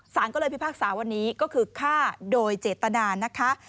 สารก็เลยพิพากษาวันนี้ก็คือฆ่าโดยเจตนานะคะ